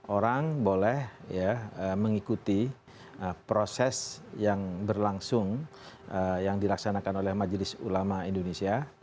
orang boleh mengikuti proses yang berlangsung yang dilaksanakan oleh majelis ulama indonesia